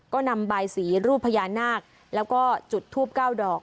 ก็นำบายสีรูปพญานาคแล้วก็จุดทูบ๙ดอก